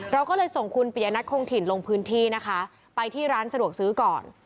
เราก็เลยส่งคุณปียนัทคงถิ่นลงพื้นที่นะคะไปที่ร้านสะดวกซื้อก่อน